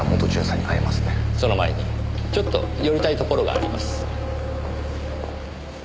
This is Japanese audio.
その前にちょっと寄りたいところがあります。